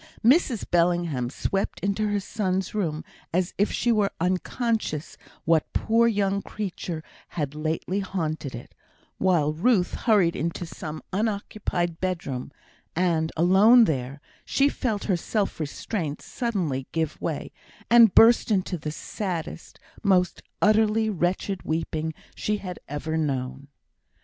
Mrs Bellingham swept into her son's room as if she were unconscious what poor young creature had lately haunted it; while Ruth hurried into some unoccupied bedroom, and, alone there, she felt her self restraint suddenly give way, and burst into the saddest, most utterly wretched weeping she had ever known.